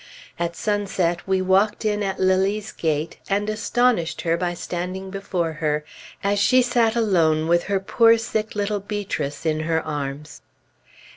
At sunset we walked in at Lilly's gate, and astonished her by standing before her as she sat alone with her poor sick little Beatrice in her arms....